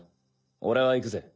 俺は行くぜ。